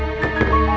aku mau ke kamar